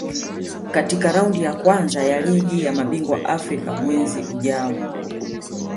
katika Raundi ya Kwanza ya Ligi ya Mabingwa Afrika mwezi ujao